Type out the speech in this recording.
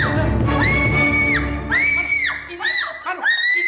apakah kamu ketangga darurat